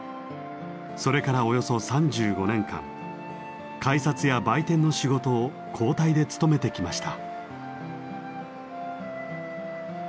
それからおよそ３５年間改札や売店の仕事を交代で務めてきました。